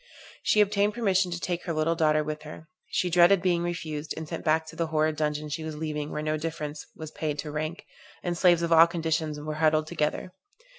She obtained permission to take her little daughter with her. She dreaded being refused, and sent back to the horrid dungeon she was leaving where no difference was paid to rank, and slaves of all conditions were huddled together.